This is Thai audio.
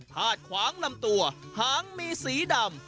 พาดขวางลำตัวหางมีสีดำ